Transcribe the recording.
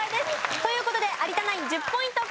という事で有田ナイン１０ポイント獲得です。